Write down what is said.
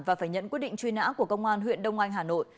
và phải nhận quyết định truy nã của công an huyện đông anh hà nội